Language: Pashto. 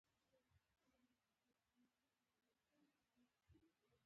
د هډوکو د روغتیا لپاره کلسیم وخورئ